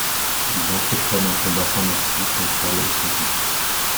Ils entreprennent un combat sans merci contre elle et son complice.